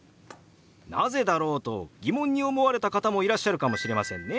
なぜだろうと疑問に思われた方もいらっしゃるかもしれませんね。